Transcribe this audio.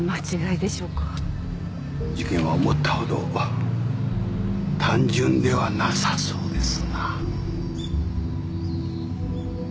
事件は思ったほど単純ではなさそうですな。